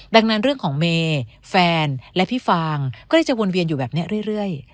ดังนั้นเรื่องของเมย์แฟนและพี่ฟางก็เลยจะวนเวียนอยู่แบบนี้เรื่อย